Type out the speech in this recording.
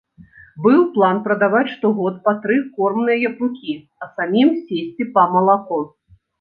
Быў план прадаваць штогод па тры кормныя япрукі, а самім сесці па малако.